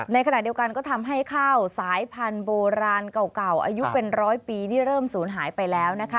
ในขณะเดียวกันก็ทำให้ข้าวสายพันธุ์โบราณเก่าอายุเป็นร้อยปีนี่เริ่มศูนย์หายไปแล้วนะคะ